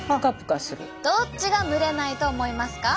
どっちが蒸れないと思いますか？